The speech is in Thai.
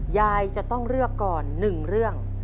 ยายจะต้องเลือกก่อน๑เรื่อง